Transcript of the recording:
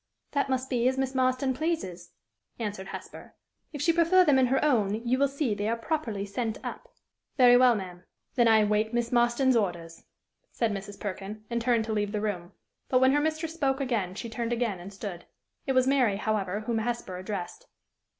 "That must be as Miss Marston pleases," answered Hesper. "If she prefer them in her own, you will see they are properly sent up." "Very well, ma'am! Then I wait Miss Marston's orders," said Mrs. Perkin, and turned to leave the room. But, when her mistress spoke again, she turned again and stood. It was Mary, however, whom Hesper addressed.